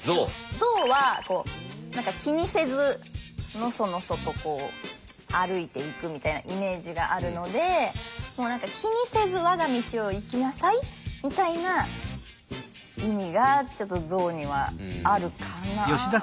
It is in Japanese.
象はこう気にせずのそのそとこう歩いていくみたいなイメージがあるのでもう何か気にせず我が道を行きなさいみたいな意味がちょっと象にはあるかなあ。